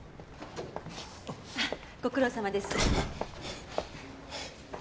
ご苦労さまです。